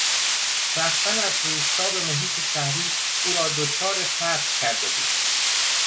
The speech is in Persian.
رفتن از روستا به محیط شهری او را دچار ترس کرده بود.